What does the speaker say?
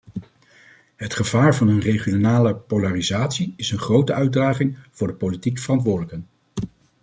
Het gevaar van een regionale polarisatie is een grote uitdaging voor de politiek verantwoordelijken.